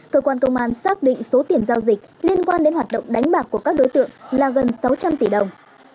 cơ quan công an xác định số tiền giao dịch liên quan đến hoạt động đánh bạc của các đối tượng là gần sáu trăm linh tỷ đồng